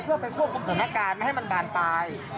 เพื่อไปควบคุมสถานการณ์ไม่ให้มันบานปลาย